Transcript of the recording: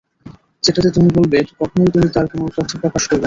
যেটাতে তুমি বলবে, কখনোই তুমি তার কোনো তথ্য প্রকাশ করবে না।